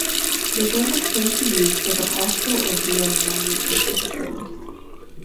The term is currently used for the Osco-Umbrian languages as a whole.